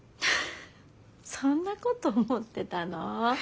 そんなこと思ってたの？